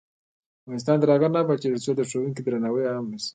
افغانستان تر هغو نه ابادیږي، ترڅو د ښوونکي درناوی عام نشي.